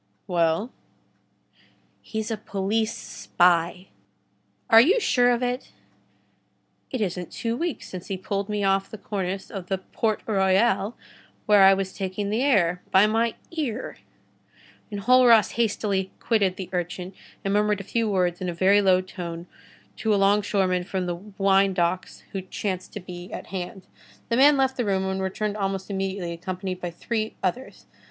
"Well?" "He's a police spy." "Are you sure of it?" "It isn't two weeks since he pulled me off the cornice of the Port Royal, where I was taking the air, by my ear." Enjolras hastily quitted the urchin and murmured a few words in a very low tone to a longshoreman from the winedocks who chanced to be at hand. The man left the room, and returned almost immediately, accompanied by three others.